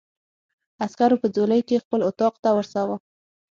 عسکرو په ځولۍ کې خپل اتاق ته ورساوه.